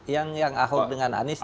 yang ahok dengan anies